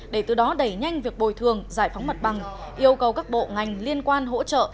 để từ đó đẩy nhanh việc bồi thường giải phóng mặt bằng yêu cầu các bộ ngành liên quan hỗ trợ